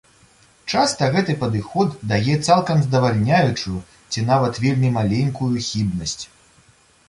Часта гэты падыход дае цалкам здавальняючую ці нават вельмі маленькую хібнасць.